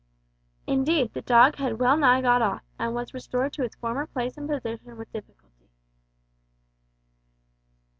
Indeed, the dog had well nigh got off, and was restored to its former place and position with difficulty.